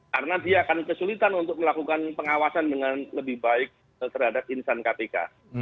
karena dia akan kesulitan untuk melakukan pengawasan dengan lebih baik terhadap insan kpk